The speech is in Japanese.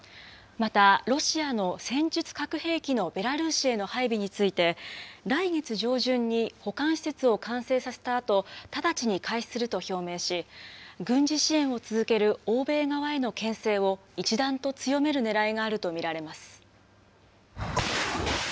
またロシアの戦術核兵器のベラルーシへの配備について、来月上旬に保管施設を完成させたあと、直ちに開始すると表明し、軍事支援を続ける欧米側へのけん制を一段と強めるねらいがあると見られます。